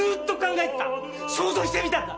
想像してみたんだ。